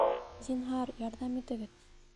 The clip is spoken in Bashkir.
Зинһар, ярҙам итегеҙ